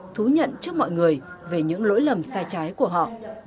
thú nhận trước mọi người về những lỗi lầm sai trái của họ